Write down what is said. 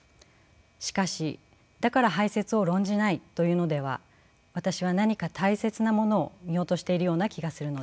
しかしだから排泄を論じないというのでは私は何か大切なものを見落としているような気がするのです。